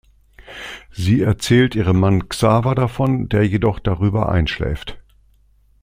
Sie erzählt ihrem Mann Xaver davon, der jedoch darüber einschläft.